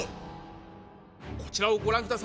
こちらをご覧ください。